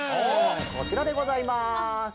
こちらでございます。